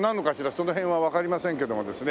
その辺はわかりませんけどもですね。